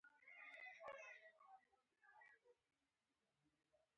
سلفر ډای اکساید د نفتي موادو د سون په بهیر کې جوړیږي.